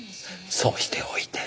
そうしておいて。